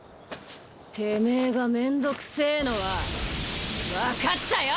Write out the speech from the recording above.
てめぇがめんどくせぇのは分かったよ！